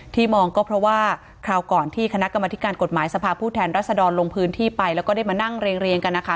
มองก็เพราะว่าคราวก่อนที่คณะกรรมธิการกฎหมายสภาพผู้แทนรัศดรลงพื้นที่ไปแล้วก็ได้มานั่งเรียงกันนะคะ